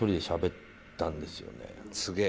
「すげえ！」